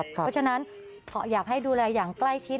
เพราะฉะนั้นขอให้ดูแลอย่างใกล้ชิด